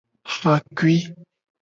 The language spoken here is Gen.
Xakui.